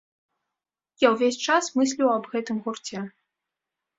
Я ўвесь час мысліў аб гэтым гурце.